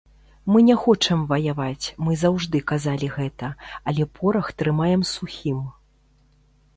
Мы не хочам ваяваць, мы заўжды казалі гэта, але порах трымаем сухім.